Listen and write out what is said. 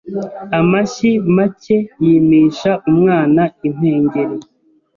Amashyi make yimisha umwana impengeri